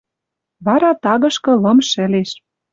Вара тагышкы лым шӹлеш